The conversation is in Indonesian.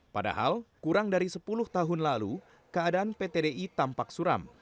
padahal kurang dari sepuluh tahun lalu keadaan pt di tampak suram